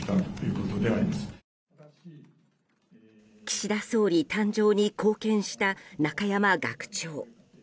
岸田総理誕生に貢献した中山学長。